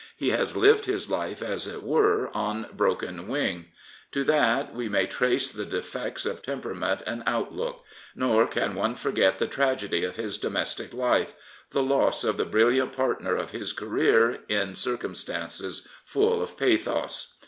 He has lived his life, as it were, on broken wing. To that 225 Prophets, Priests, and Kings we may trace the defects of temperament and out look. Nor can one forget the tragedy of his domestic life — the loss of the brilliant partner of his career in circumstances full of pathos.